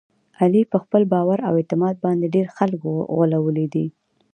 علي په خپل باور او اعتماد باندې ډېر خلک غولولي دي.